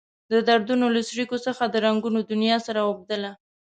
د دردونو له څړیکو څخه د رنګونو دنيا سره اوبدله.